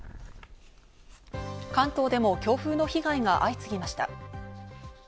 関東でも強風の被害が相次ぎました。